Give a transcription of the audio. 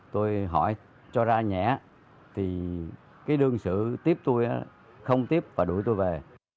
tôi hỏi cho ra nhẹ thì cái đương sự tiếp tôi không tiếp và đuổi tôi về